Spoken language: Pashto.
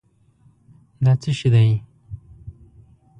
دا څه شی دی؟